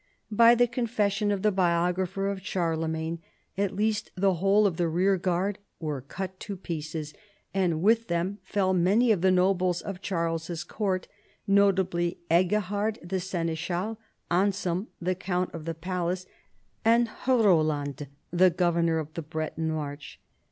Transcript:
By the confession of the biographer of Charlemagne at least the whole of the rear guard were cut to pieces, and with them fell many of the nobles of Charles's court, notably Eggihard the seneschal, Anselm the count of the palace ; and Ilruodland the governor of the Breton March.